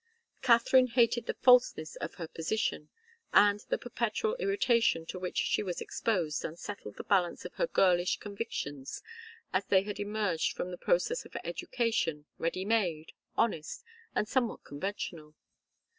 Katharine hated the falseness of her position, and the perpetual irritation to which she was exposed unsettled the balance of her girlish convictions as they had emerged from the process of education, ready made, honest, and somewhat conventional.